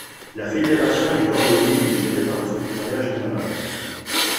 La fédération est coordonnée et gérée par le secrétariat général.